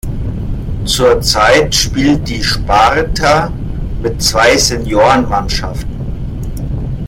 Zurzeit spielt die Sparta mit zwei Senioren-Mannschaften.